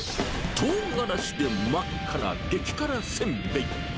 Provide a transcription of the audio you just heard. トウガラシで真っ赤な激辛せんべい。